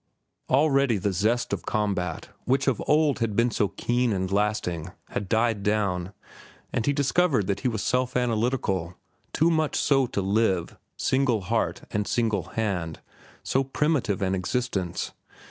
Already the zest of combat, which of old had been so keen and lasting, had died down, and he discovered that he was self analytical, too much so to live, single heart and single hand, so primitive an existence.